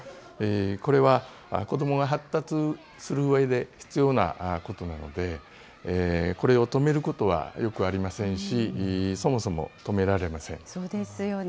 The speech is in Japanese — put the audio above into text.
これは子どもが発達するうえで必要なことなので、これを止めることはよくありませんし、そもそもそうですよね。